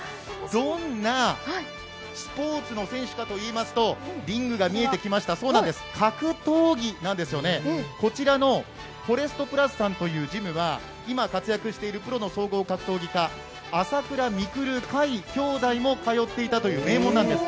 どんなスポーツの選手かといいますと、リングが見えてきました、そうなんです、格闘技なんですよねこちらのフォレストプラスさんというジムは今、活躍しているプロの格闘家、朝倉未来・海兄弟も通っていたという名門なんです。